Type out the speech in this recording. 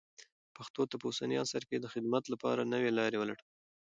پښتو ته په اوسني عصر کې د خدمت لپاره نوې لارې ولټوئ.